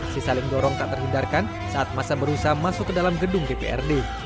sisaling dorong tak terhindarkan saat masa berusaha masuk ke dalam gedung dprd